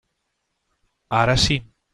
Ara sí.